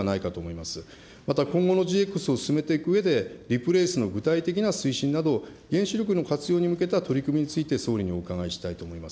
また今後のＧＸを進めていくうえでリプレースの具体的な推進など、原子力の活用に向けた取り組みについて総理にお伺いしたいと思います。